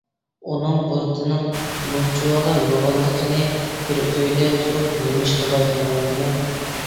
ئۇنىڭ بۇرۇتىنىڭ مۇنچىۋالا يوغانلىقىنى بىر ئۆيدە تۇرۇپ نېمىشقا بايقىمىغاندىمەن!